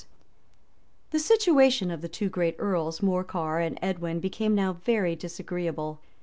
} The situation of the two great earls, Morcar and Edwin, became now very disagreeable.